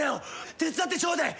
手伝ってちょうでえ。